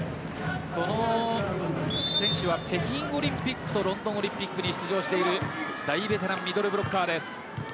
この選手は北京オリンピックとロンドンオリンピックに出場している大ベテランミドルブロッカーです。